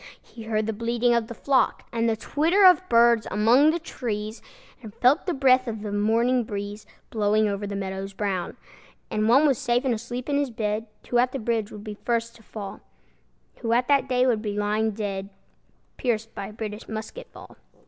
He heard the bleating of the flock, And the twitter of birds among the trees, And felt the breath of the morning breeze Blowing over the meadows brown. And one was safe and asleep in his bed Who at the bridge would be first to fall, Who that day would be lying dead, Pierced by a British musket ball.